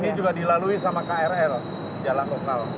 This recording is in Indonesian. ini juga dilalui sama krl jalan lokal